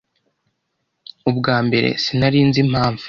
Ubwa mbere, sinari nzi impamvu.